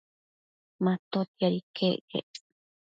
Matotiad iquec quec